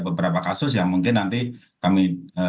beberapa kasus yang mungkin nanti kami